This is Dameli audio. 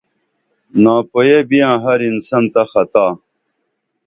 ناپوئیہ بیاں ہر انسن تہ خطاء